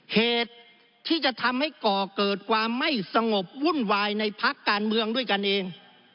เหตุที่จะทำให้ก่อเกิดความไม่สงบวุ่นวายในพักการเมืองด้วยกันเอง